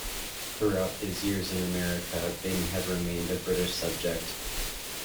Throughout his years in America, Bing had remained a British subject.